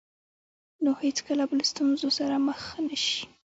نو هېڅکله به له ستونزو سره مخ نه شئ.